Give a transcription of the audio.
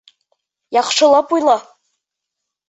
Яҡшылап уйла.